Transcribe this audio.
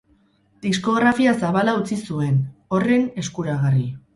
Diskografia zabala utzi zuen, horren erakusgarri.